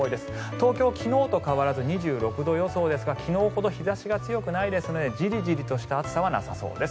東京、昨日と変わらず２６度予想ですが昨日ほど日差しが強くないですのでジリジリとした暑さはなさそうです。